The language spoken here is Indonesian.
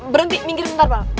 berhenti minggir sebentar pak